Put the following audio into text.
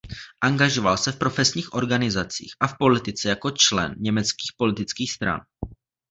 Angažoval se v profesních organizacích a v politice jako člen německých politických stran.